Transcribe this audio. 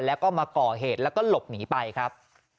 แล้วก็มาก่อเหตุแล้วก็หลบหนีไปครับ